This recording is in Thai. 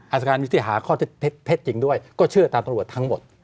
อัตรการมีที่หาข้อเท็จจริงด้วยก็เชื่อตามตำรวจทั้งหมด